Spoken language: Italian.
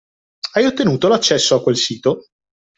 Hai ottenuto l'accesso a quel sito?